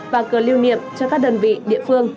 và cờ lưu niệm cho các đơn vị địa phương